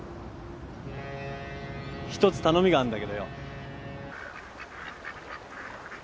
一つ頼みがあんだけどよ。